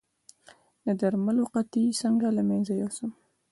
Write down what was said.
د درملو قطۍ څنګه له منځه یوسم؟